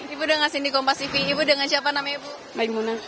ibu udah ngasih di kompas tv ibu dengan siapa namanya ibu mbak imuna